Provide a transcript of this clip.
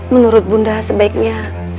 menurut bunda sebaiknya